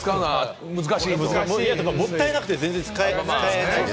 もったいなくて、全然使えない。